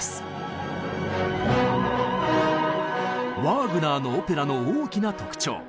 ワーグナーのオペラの大きな特徴。